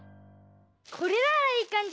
これならいいかんじ。